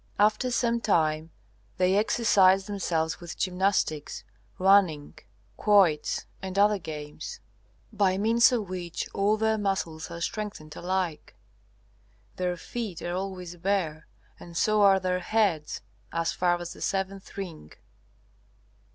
After some time they exercise themselves with gymnastics, running, quoits, and other games, by means of which all their muscles are strengthened alike. Their feet are always bare, and so are their heads as far as the seventh ring.